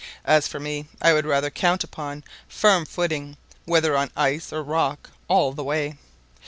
As for me, I would rather count upon firm footing, whether on ice or rock, all the way.